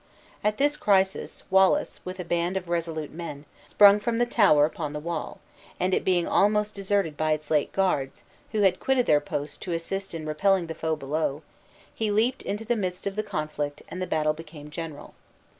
At this crisis, Wallace, with a band of resolute men, sprung from the tower upon the wall; and it being almost deserted by its late guards (who had quitted their post to assist in repelling the foe below), he leaped into the midst of the conflict and the battle became general.